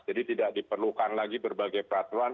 jadi tidak diperlukan lagi berbagai peraturan